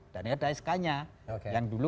dan ya daiskanya yang dulu